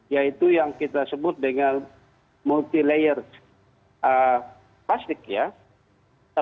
yaitu yang kita sebut dengan multi layer plastik ya